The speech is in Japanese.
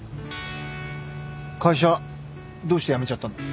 会社どうして辞めちゃったの？